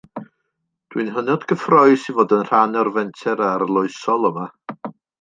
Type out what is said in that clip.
Dwi'n hynod gyffrous i fod yn rhan o'r fenter arloesol yma